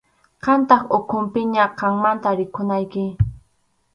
Qamtaq ukhupiña, qammanta rikunayki.